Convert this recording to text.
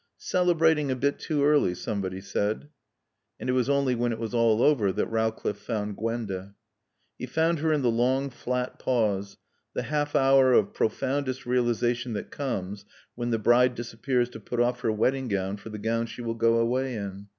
"Celebrating a bit too early," somebody said. And it was only when it was all over that Rowcliffe found Gwenda. He found her in the long, flat pause, the half hour of profoundest realisation that comes when the bride disappears to put off her wedding gown for the gown she will go away in.